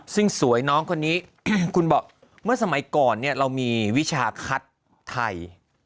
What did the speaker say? ซึ่งสวยน้องคนนี้คุณบอกเมื่อสมัยก่อนเรามีวิชาคัดไทย